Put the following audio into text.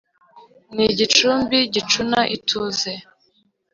ni igicumbi gicuna ituze,